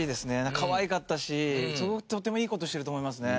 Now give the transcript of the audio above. かわいかったしすごくとてもいい事してると思いますね。